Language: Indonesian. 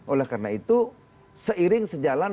oleh karena itu seiring sejalan